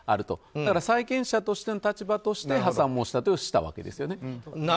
だから債権者としての立場として破産申し立てをしたわけですよね。